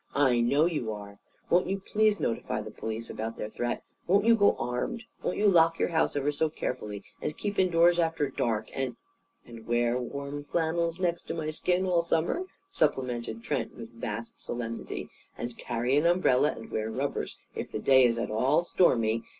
"I know you are! Won't you please notify the police about their threat? Won't you go armed? Won't you lock your house ever so carefully and keep indoors after dark? And " "And wear warm flannels next to my skin, all summer?" supplemented Trent, with vast solemnity. "And carry an umbrella and wear rubbers if the day is at all stormy?